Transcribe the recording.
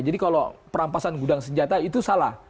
jadi kalau perampasan gudang senjata itu salah